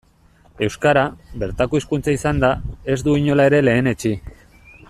Euskara, bertako hizkuntza izanda, ez du inola ere lehenetsi.